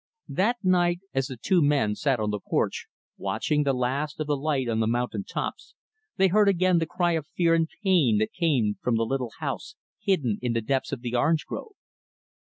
That night, as the two men sat on the porch, watching the last of the light on the mountain tops, they heard again the cry of fear and pain that came from the little house hidden in the depths of the orange grove.